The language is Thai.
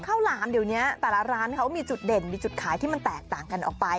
หลามเดี๋ยวนี้แต่ละร้านเขามีจุดเด่นมีจุดขายที่มันแตกต่างกันออกไป